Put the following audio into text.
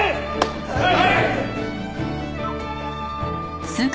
はい！